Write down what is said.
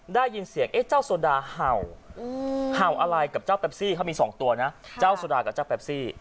ได้ยินเสียงเอ๊ะเจ้าโซดาเห่าเห่าอะไรกับเจ้าแปปซี่เขามี๒ตัวนะเจ้าโซดากับเจ้าแปปซี่